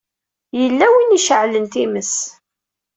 Yella win i iceɛlen times.